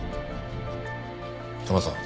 ヤマさん。